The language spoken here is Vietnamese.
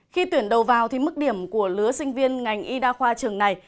khi tuyển đầu vào thì mức điểm của lứa sinh viên ngành y đa khoa trường này